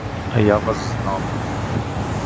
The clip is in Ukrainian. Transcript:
А я вас знав.